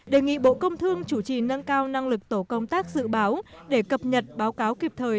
đề nghị bộ công thương chủ trì nâng cao năng lực tổ công tác dự báo để cập nhật báo cáo kịp thời